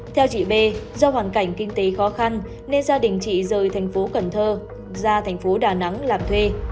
theo chị b do hoàn cảnh kinh tế khó khăn nên gia đình chị rời thành phố cần thơ ra thành phố đà nẵng làm thuê